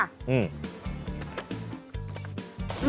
อื้ม